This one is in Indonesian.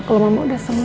kalau mama udah sama